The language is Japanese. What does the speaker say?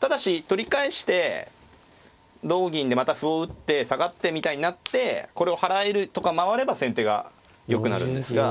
ただし取り返して同銀でまた歩を打って下がってみたいになってこれを払えるとか回れば先手がよくなるんですが。